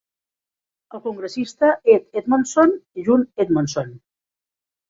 El congressista Ed Edmondson i June Edmondson.